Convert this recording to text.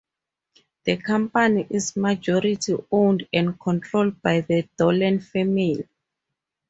The company is majority-owned and controlled by the Dolan family.